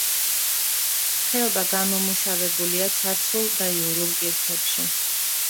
ხეობა გამომუშავებულია ცარცულ და იურულ კირქვებში.